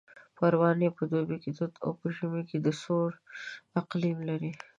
پروان په دوبي کې تود او په ژمي کې سوړ اقلیم لري